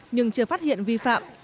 nhưng chưa phát hiện vi phạm